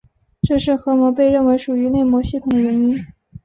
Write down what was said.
这是核膜被认为属于内膜系统的原因。